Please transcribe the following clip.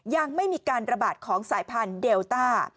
ยังไม่มีการระบาดของสายพันธุ์เดลต้า